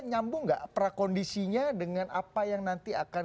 nyambung nggak prakondisinya dengan apa yang nanti akan